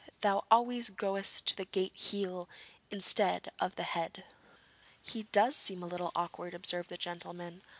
thou always goest to the gate heel instead of the head.' 'He does seem a little awkward,' observed the gentleman.